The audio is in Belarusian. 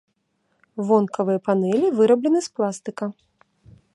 Вонкавыя панэлі выраблены з пластыка.